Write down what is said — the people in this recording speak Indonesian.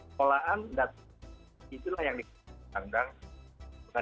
keperluan dan itulah yang diperlukan